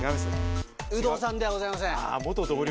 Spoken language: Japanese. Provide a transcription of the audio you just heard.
有働さんではございません。